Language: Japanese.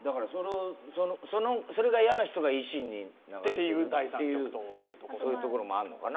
それが嫌な人が維新に、そういうところもあるのかな。